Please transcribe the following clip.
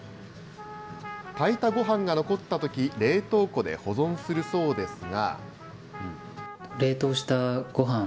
炊いたごはんが残ったとき、冷凍庫で保存するそうですが。